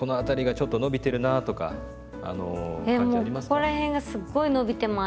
もうここら辺がすっごい伸びてます。